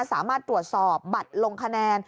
สามารถตรวจสอบบัตรลงคะแนน